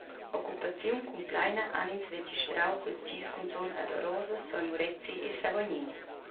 Occupaziun cumpleina han ins registrau quels gis cunzun ad Arosa, Sogn Murezi e Savognin.